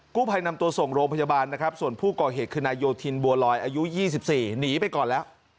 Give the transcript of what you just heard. ผู้ภัยนำตัวส่งโรงพยาบาลนะครับส่วนผู้ก่อเหตุคือนายโยธินบัวลอยอายุ๒๔หนีไปก่อนแล้ว